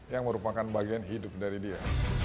yang merupakan bagian hidup dari dia